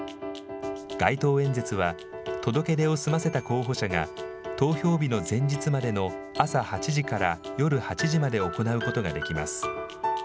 街頭演説は、届け出を済ませた候補者が、投票日の前日までの朝８時から夜８時まで行うことができます。